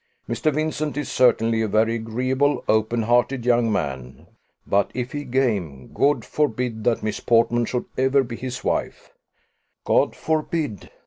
Mr. Vincent is certainly a very agreeable, open hearted young man; but, if he game, God forbid that Miss Portman should ever be his wife!" "God forbid!"